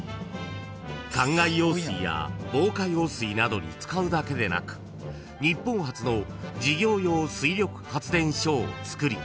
［かんがい用水や防火用水などに使うだけでなく日本初の事業用水力発電所を造り